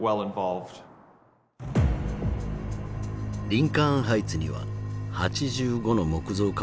リンカーン・ハイツには８５の木造家屋が立ち並び